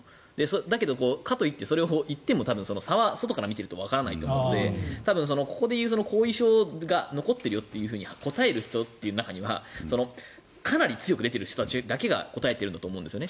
だけど、かといってそれを言っても差は外から見ていてもわからないと思うのでここでいう後遺症が残ってるよと答える人の中にはかなり強く出ている人たちだけが答えていると思うんですね。